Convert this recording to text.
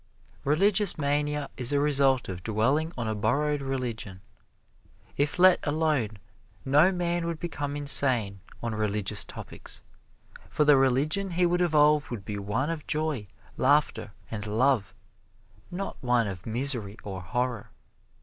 Religious mania is a result of dwelling on a borrowed religion. If let alone no man would become insane on religious topics, for the religion he would evolve would be one of joy, laughter and love, not one of misery or horror.